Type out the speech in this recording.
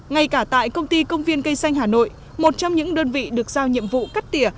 ngay cả tại công ty công viên cây xanh hà nội một trong những đơn vị được giao nhiệm vụ cắt tỉa